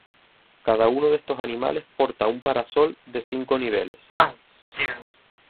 Cada uno de estos animales porta un parasol de cinco niveles.